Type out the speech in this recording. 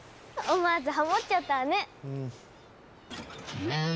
思わずハモっちゃったわね！